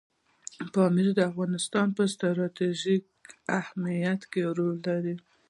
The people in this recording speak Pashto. پامیر د افغانستان په ستراتیژیک اهمیت کې رول لري.